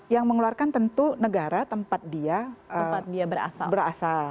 yang mengeluarkan tentu negara tempat dia berasal